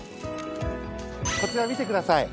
こちら、見てください！